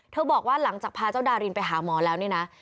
บอกว่าหลังจากพาเจ้าดารินไปหาหมอแล้วนี่นะ